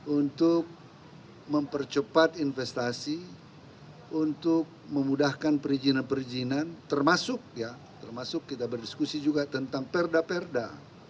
untuk mempercepat investasi untuk memudahkan perizinan perizinan termasuk ya termasuk kita berdiskusi juga tentang perda perda